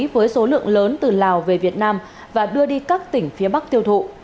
với số lượng lớn từ lào về việt nam và đưa đi các tỉnh phía bắc tiêu thụ